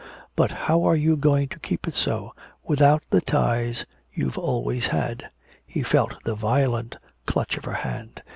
But how are you going to keep it so, without the ties you've always had?" He felt the violent clutch of her hand.